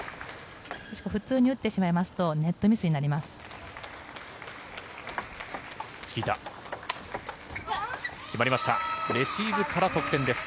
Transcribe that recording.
普通に打ってしまいますとネットミスになります。